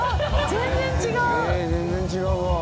「全然違うわ」